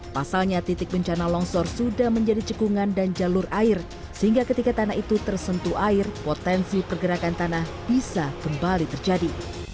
pasalnya titik bencana longsor sudah menjadi cekungan dan jalur air sehingga ketika tanah itu tersentuh air potensi pergerakan tanah bisa kembali terjadi